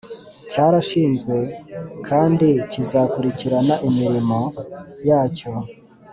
cyarashinzwe kandi kizakurikirana imirimo yacyo.